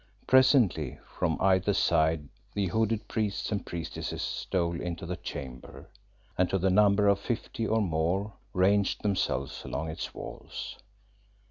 Presently from either side the hooded priests and priestesses stole into the chamber, and to the number of fifty or more ranged themselves along its walls.